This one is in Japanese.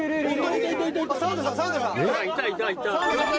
「いたいた。